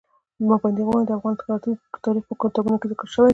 پابندي غرونه د افغان تاریخ په کتابونو کې ذکر شوي دي.